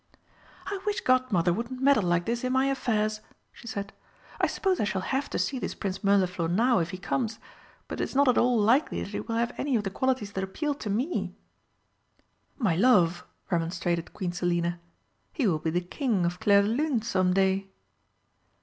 "I wish Godmother wouldn't meddle like this in my affairs," she said. "I suppose I shall have to see this Prince Mirliflor now if he comes; but it is not at all likely that he will have any of the qualities that appeal to me." "My love!" remonstrated Queen Selina. "He will be the King of Clairdelune some day!"